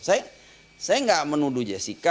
saya nggak menuduh jessica